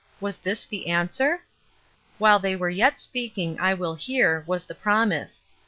Was this the answer ? "While they are yet speaking, I will hear," was the promise.